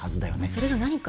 それが何か？